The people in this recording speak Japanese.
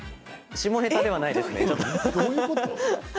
下ネタでは、ないです。